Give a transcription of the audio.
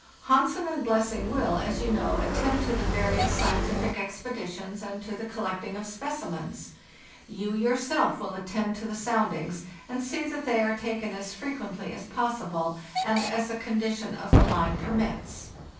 "Hansen and Blessing will, as you know, attend to the various scientific expeditions and to the collecting of specimens. You yourself will attend to the sound ings, and see that they are taken as frequently as possible and as the condition of the line permits.